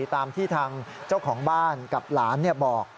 ตามที่ทางเจ้าของบ้านกับหลานบอก